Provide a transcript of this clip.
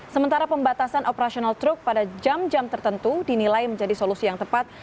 sementara pembatasan operasional truk pada jam jam tertentu dinilai menjadi solusi yang tepat